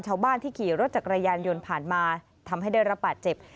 เจ้าบ้านที่ขี่รถจักรยานยนต์ผ่านมาทำให้เดินระปัดเจ็บ